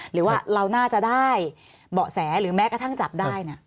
หรือว่าเราน่าจะได้เบาะแสหรือแม้กระทั่งจับได้